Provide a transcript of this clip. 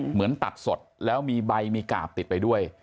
เหมือนตัดสดแล้วมีใบมีกาบติดไปด้วย